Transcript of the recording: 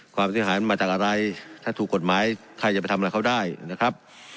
ความเสียหายมันมาจากอะไรถ้าถูกกฎหมายใครจะไปทำอะไรเขาได้นะครับ